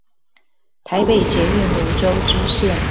台北捷運蘆洲支線